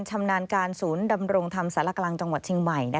ชำนาญการศูนย์ดำรงภรรณ์สรกรังจังหวัดชิงใหม่